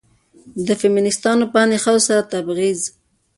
د فيمينستانو په اند له ښځو سره تبعيض